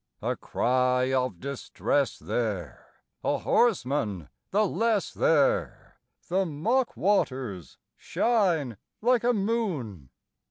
A cry of distress there! a horseman the less there! The mock waters shine like a moon!